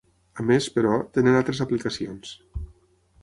A més, però, tenen altres aplicacions.